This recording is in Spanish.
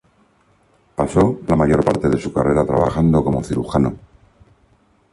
Pasó la mayor parte de su carrera trabajando como cirujano.